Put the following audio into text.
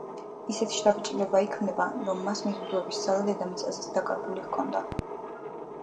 ისეთი შთაბეჭდილება იქმნება, რომ მას მიზიდულობის ძალა დედამიწაზეც დაკარგული ჰქონდა.